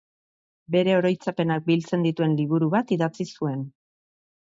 Bere oroitzapenak biltzen dituen liburu bat idatzi zuen.